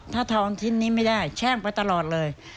ถ้าทอนชิ้นนี้ไม่ได้แช่งไปตลอดเลย